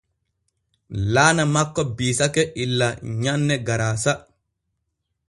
Laana makko biisake illa nyanne garaasa.